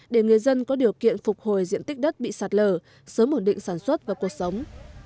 để người dân có điều kiện phục hồi diện tích đất bị sạt lở sớm ổn định sản xuất và cuộc sống